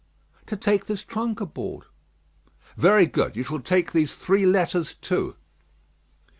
"To take this trunk aboard." "Very good; you shall take these three letters too."